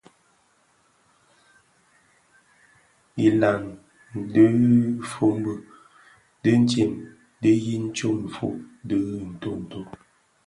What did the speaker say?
Dhilaň dhifombi dintsem di yin tsom ifog dhi ntonto.